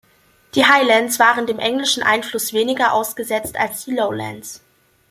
Die Highlands waren dem englischen Einfluss weniger ausgesetzt als die Lowlands.